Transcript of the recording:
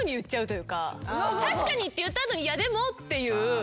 「確かに」って言った後に「いやでも」っていう。